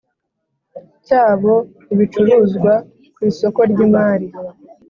cyabo ibicuruzwa ku isoko ry imari